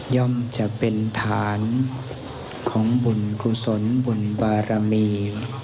จะเป็นฐานของบุญกุศลบุญบารมี